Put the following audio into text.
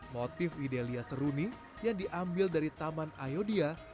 motif idelia seruni yang diambil dari taman ayodia